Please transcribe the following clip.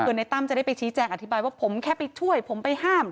คือในตั้มจะได้ไปชี้แจงอธิบายว่าผมแค่ไปช่วยผมไปห้าม